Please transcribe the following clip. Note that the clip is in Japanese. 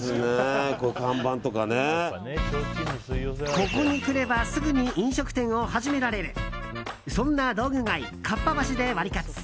ここに来ればすぐに飲食店を始められるそんな道具街・合羽橋でワリカツ。